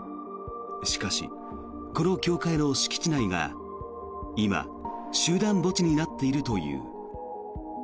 しかし、この教会の敷地内は今集団墓地になっているという。